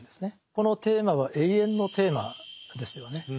このテーマは永遠のテーマですよね。